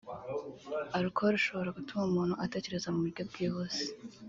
Alcool ishobora gutuma umuntu atekereza mu buryo bwihuse